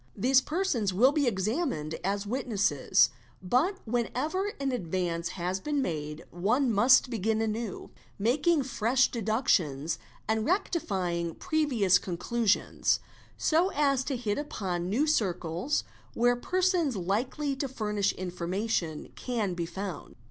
'These persons will be examined as witnesses, but whenever an % dvance has been made one must begin anew, making fresh deductions and rectifying previous conclusions, so as to hit upon new circles where persons likely to furnish information can be found.